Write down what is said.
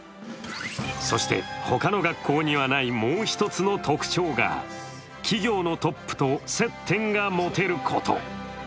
そして他の学校にはないもう一つの特徴が企業のトップと接点が持てること。